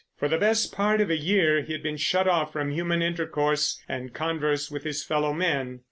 For the best part of a year he had been shut off from human intercourse and converse with his fellow men.